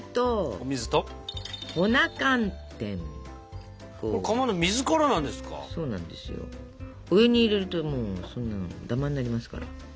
お湯に入れるともうそんなのダマになりますから。